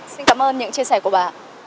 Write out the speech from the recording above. xin cảm ơn những chia sẻ của bà